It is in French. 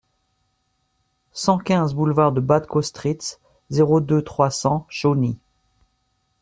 cent quinze boulevard de Bad Kostritz, zéro deux, trois cents, Chauny